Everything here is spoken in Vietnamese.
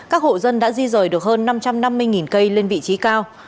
các hộ dân đã di rời được hơn năm trăm năm mươi cây lên vị trí cao